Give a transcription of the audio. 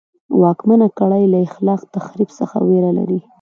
واکمنه کړۍ له خلاق تخریب څخه وېره لري.